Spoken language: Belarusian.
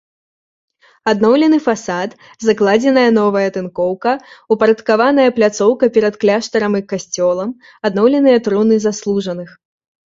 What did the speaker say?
Адноўлены фасад, закладзеная новая тынкоўка, упарадкаваная пляцоўка перад кляштарам і касцёлам, адноўленыя труны заслужаных.